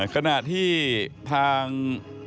ขณะที่ทาง